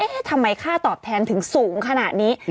ทำไมค่าตอบแทนถึงสูงขนาดนี้